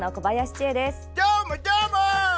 どーも、どーも！